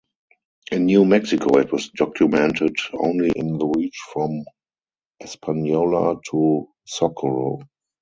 In New Mexico, it was documented only in the reach from Espanola to Socorro.